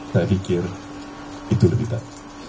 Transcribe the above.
saya pikir itu lebih baik